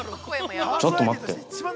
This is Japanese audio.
ちょっと待って。